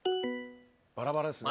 バラバラですね。